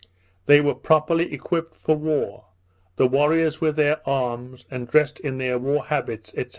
They were properly equipped for war, the warriors with their arms, and dressed in their war habits, &c.